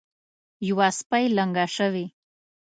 یوه سپۍ لنګه شوې.